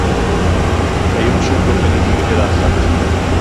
היום שוב לא קניתי אלא אחת.